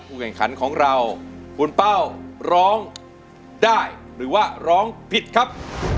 แข่งขันของเราคุณเป้าร้องได้หรือว่าร้องผิดครับ